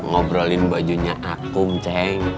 ngobrolin bajunya akung ceng